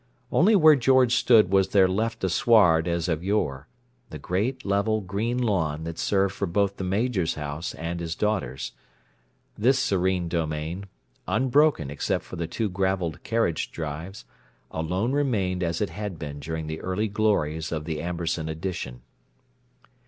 Only where George stood was there left a sward as of yore; the great, level, green lawn that served for both the Major's house and his daughter's. This serene domain—unbroken, except for the two gravelled carriage drives—alone remained as it had been during the early glories of the Amberson Addition.